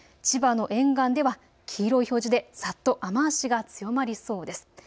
千葉の沿岸では黄色い表示でざっと雨足が強まりそうです。